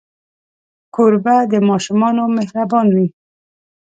کوربه د ماشومانو مهربان وي.